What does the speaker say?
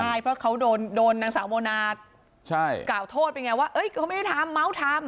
ใช่เพราะเขาโดนนางสาวโมนากล่าวโทษไปไงว่าเขาไม่ได้ทำเม้าทำ